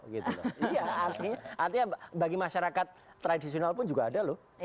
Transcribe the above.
iya artinya bagi masyarakat tradisional pun juga ada loh